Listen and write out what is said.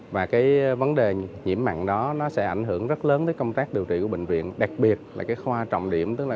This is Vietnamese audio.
và cái vấn đề nhiễm mặn đó nó sẽ ảnh hưởng rất lớn tới công tác điều trị của bệnh viện đặc biệt là cái khoa trọng điểm tức là